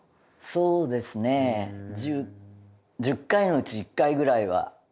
そうですね１０１０回のうち１回ぐらいは。